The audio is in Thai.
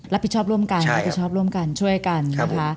รับผิดชอบร่วมกันช่วยกันนะครับ